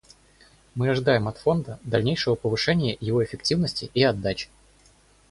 Мы ожидаем от Фонда дальнейшего повышения его эффективности и отдачи.